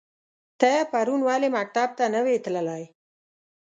ته پرون ولی مکتب ته نه وی تللی؟